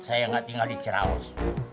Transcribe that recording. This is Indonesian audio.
saya nggak tinggal di ciraus